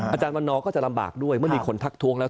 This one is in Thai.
อาจารย์วันนอร์ก็จะลำบากด้วยเมื่อมีคนทักท้วงแล้ว